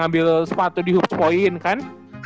ambil sepatu di hoops point kan